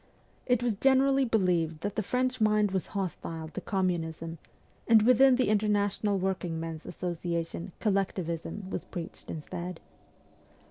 It was generally believed that the French mind was hostile to communism, and within the Inter national Workingmen's Association ' collectivism ' was preached instead.